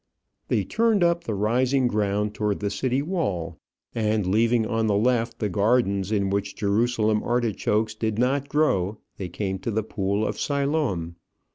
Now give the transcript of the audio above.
They turned up the rising ground towards the city wall, and leaving on the left the gardens in which Jerusalem artichokes did not grow, they came to the pool of Siloam.